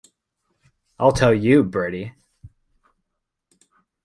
I'll tell you, Bertie.